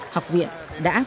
học viện đã và đang công